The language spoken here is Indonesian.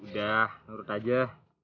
udah menurut aja